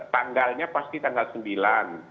tanggalnya pasti tanggal sembilan